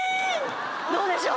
どうでしょう？